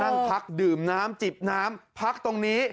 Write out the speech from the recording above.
นั่งพักดื่มน้ำจิบน้ำพักตรงนี้